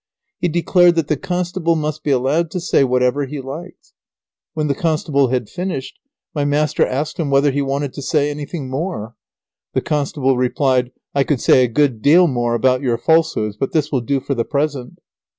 He declared that the constable must be allowed to say whatever he liked. When the constable had finished, my master asked him whether he wanted to say anything more. The constable replied, "I could say a good deal more about your falsehoods, but this will do for the present."